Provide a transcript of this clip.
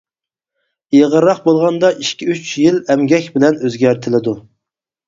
ئېغىرراق بولغاندا ئىككى-ئۈچ يىل ئەمگەك بىلەن ئۆزگەرتىلىدۇ.